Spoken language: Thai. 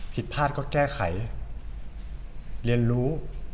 ผิดพลาดก็แก้ไขเรียนรู้